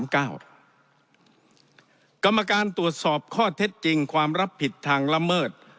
กรรมการตรวจสอบข้อเท็จจริงความรับผิดทางละเมิด